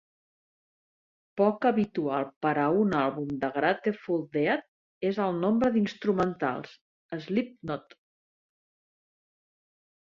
Poc habitual per a un àlbum de Grateful Dead és el nombre d'instrumentals: Slipknot!